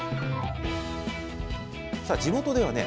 地元ではね